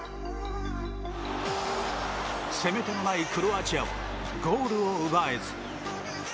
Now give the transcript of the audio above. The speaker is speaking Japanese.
攻め手のないクロアチアはゴールを奪えず。